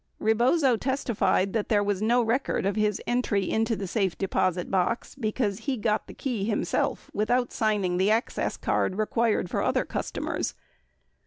78 Rebozo testified that there was no record of his entry into the safe deposit box because he got the key himself without signing the access card required for other customers.